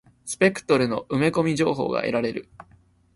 スペクトルの埋め込み情報が得られる。